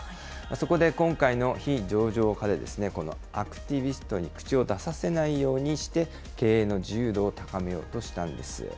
そこで今回の非上場化ですね、このアクティビストに口を出させないようにして、経営の自由度を高めようとしたんです。